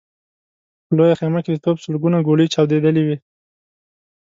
په لويه خيمه کې د توپ سلګونه ګولۍ چاودلې وې.